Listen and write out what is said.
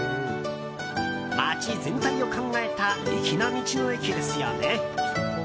町全体を考えた粋な道の駅ですよね。